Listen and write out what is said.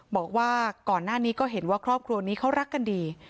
บอกว่าก่อนหน้านี้ก็เห็นว่าครอบครัวนี้เขารักกันดี